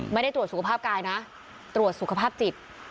ไม่ได้ตรวจสุขภาพกายนะตรวจสุขภาพจิต